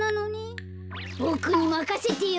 ボクにまかせてよ。